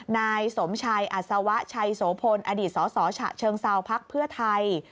นายสมชัยอัศวะชัยโสพลอดีตสสฉะเชิงเซาพักเพื่อไทย